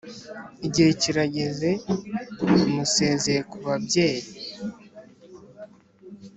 igihe kirageze musezeye ku babyeyi